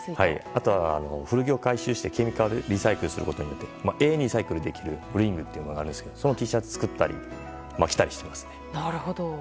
あとは古着を回収してケミカルリサイクルすることによって永遠にリサイクルできるＢＲＩＮＧというのがあるんですがそのＴシャツを作ったり着たりしていますね。